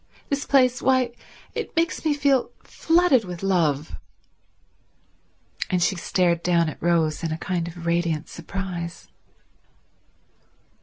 This place—why, it makes me feel flooded with love." And she stared down at Rose in a kind of radiant surprise.